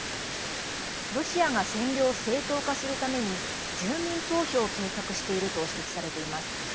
ロシアが占領を正当化するために住民投票を計画していると指摘されています。